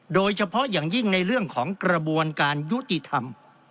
โดยเฉพาะอย่างยิ่งในเรื่องของกระบวนการยุติธรรม